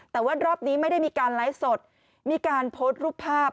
แต่ว่ารอบนี้ไม่ได้มีการไลฟ์สดมีการโพสต์รูปภาพ